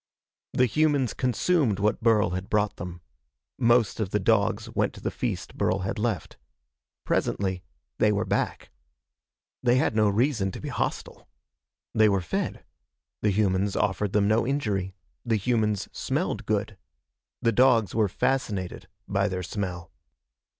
The humans consumed what Burl had brought them. Most of the dogs went to the feast Burl had left. Presently they were back. They had no reason to be hostile. They were fed. The humans offered them no injury. The humans smelled good. The dogs were fascinated by their smell.